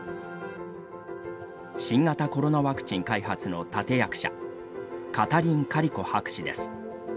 新型コロナワクチン開発の立て役者カタリン・カリコ博士です。